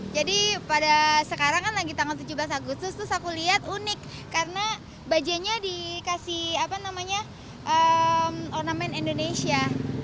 jadi pada sekarang kan lagi tanggal tujuh belas agustus aku lihat unik karena bajai nya dikasih apa namanya ornamen indonesia